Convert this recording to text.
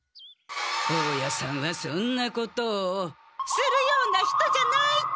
大家さんはそんなことをするような人じゃないって！